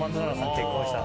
結婚したの。